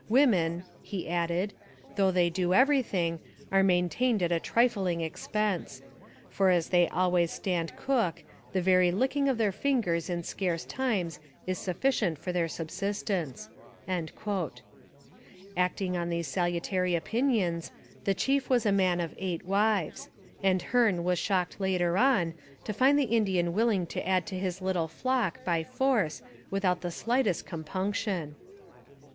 Women,' he added, 'though they do everything are maintained at a trifling expense; for as they always stand cook, the very licking of their fingers in scarce times is sufficient for their subsistence.' Acting on these salutary opinions, the chief was a man of eight wives, and Hearne was shocked later on to find the Indian willing to add to his little flock by force without the slightest compunction.